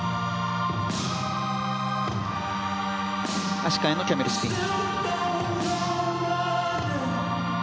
足換えのキャメルスピン。